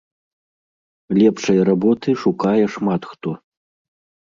Лепшай работы шукае шмат хто.